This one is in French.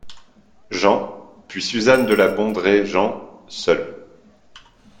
Jean ; puis Suzanne de La Bondrée Jean , seul.